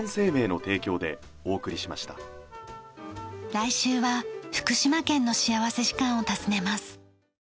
来週は福島県の幸福時間を訪ねます。